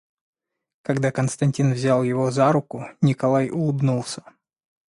Когда Константин взял его за руку, Николай улыбнулся.